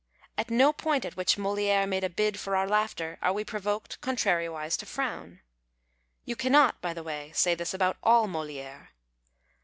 At no point at which Molidre made a bid for our laughter arc we provoked, con trariwise, to frown. You cannot, by the way, say this about all Moliere.